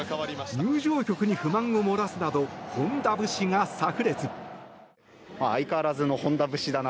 入場曲に不満を漏らすなど本田節が炸裂。